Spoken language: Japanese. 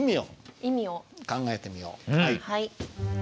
はい。